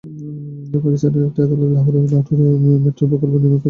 পাকিস্তানের একটি আদালত লাহোর নগরে মেট্রো প্রকল্প নির্মাণকাজ স্থগিত রাখার নির্দেশ দিয়েছেন।